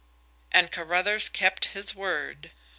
And Carruthers kept his word.